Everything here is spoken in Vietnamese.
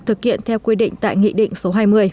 thực hiện theo quy định tại nghị định số hai mươi